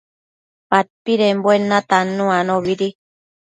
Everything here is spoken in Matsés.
padpidembuen natannu anobidi